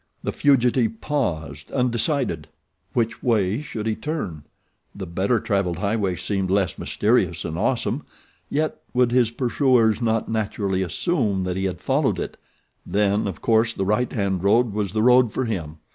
The fugitive paused, undecided. Which way should he turn? The better travelled highway seemed less mysterious and awesome, yet would his pursuers not naturally assume that he had followed it? Then, of course, the right hand road was the road for him.